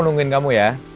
nungguin kamu ya